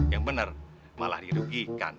yang bener malah dirugikan